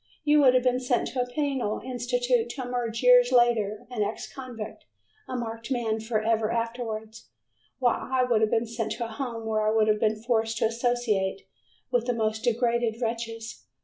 You would have been sent to a penal institution to emerge years later an ex convict, a marked man forever afterwards, while I would have been sent to a home where I would have been forced to associate with the most degraded wretches.